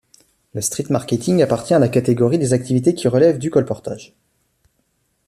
Le street marketing appartient à la catégorie des activités qui relèvent du colportage.